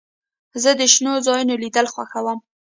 زه د شنو ځایونو لیدل خوښوم.